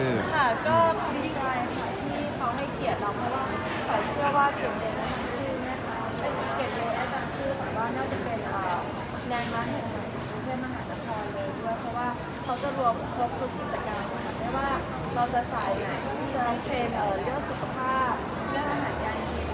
เอาวันนี้มาร่วมเปิด